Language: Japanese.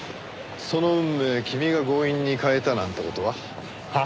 その運命君が強引に変えたなんて事は？はあ？